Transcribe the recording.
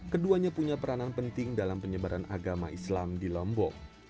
keduanya punya peranan penting dalam penyebaran agama islam di lombok